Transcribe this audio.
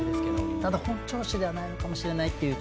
ただ本調子ではないかもしれないという。